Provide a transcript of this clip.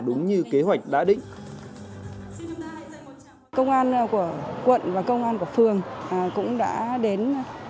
đúng cách để đạt được lực lượng công an